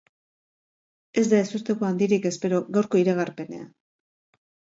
Ez da ezusteko handirik espero gaurko iragarpenean.